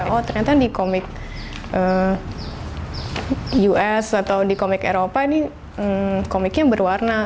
oh ternyata di komik us atau di komik eropa ini komiknya berwarna